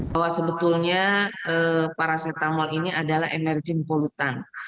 bahwa sebetulnya parasetamol ini adalah emerging pollutant